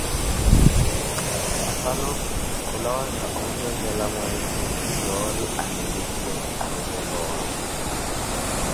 Aphano khulawa onvekela mweezi yoori anlikhe arutele owawe.